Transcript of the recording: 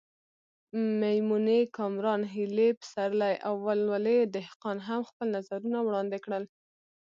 میمونې کامران، هیلې پسرلی او ولولې دهقان هم خپل نظرونه وړاندې کړل.